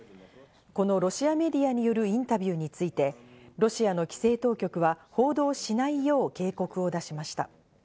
このロシアメディアによるインタビューについて、ロシアの規制当局は報道しないよう警告を出しました。